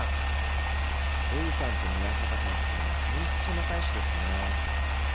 エリさんと宮坂さんって本当仲よしですね。